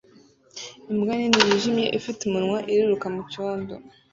Imbwa nini yijimye ifite umunwa iriruka mucyondo